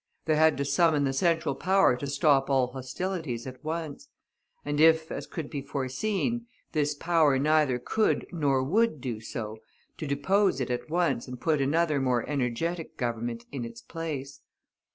They had to summon the Central Power to stop all hostilities at once; and if, as could be foreseen, this power neither could nor would do so, to depose it at once and put another more energetic Government in its place.